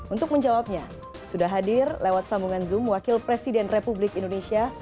untuk menjawabnya sudah hadir lewat sambungan zoom wakil presiden republik indonesia